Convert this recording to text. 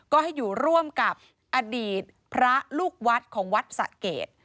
ก็ให้อยู่ร่วมกับอดีตพระลูกวัดของวัดสะเกด